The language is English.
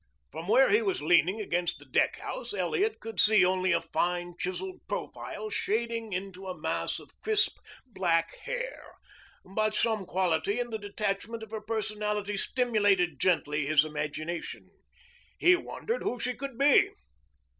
From where he was leaning against the deckhouse Elliot could see only a fine, chiseled profile shading into a mass of crisp, black hair, but some quality in the detachment of her personality stimulated gently his imagination. He wondered who she could be.